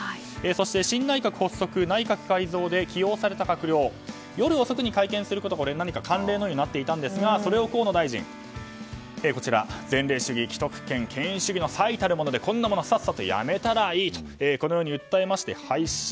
そして新内閣発足、内閣改造で起用された閣僚夜遅くに会見することも慣例のようになっていましたが河野大臣は前例主義・既得権・権威主義の最たるものでこんなものさっさとやめたらいいと訴えまして、廃止。